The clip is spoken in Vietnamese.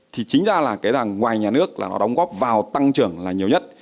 thì chính ra là ngoài nhà nước đóng góp vào tăng trưởng là nhiều nhất